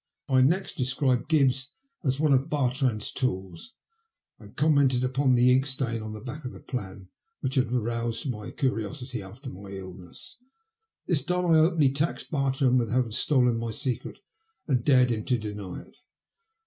I next described Gibbs as one of Bartrand's tools, and commented upon the ink stain, on the back of the plan which had aroused my curiosity after my illness. This done, I openly taxed Bartrand with having stolen my secret, and dared him to deny it.